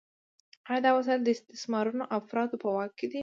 آیا دا وسایل د استثمارونکو افرادو په واک کې دي؟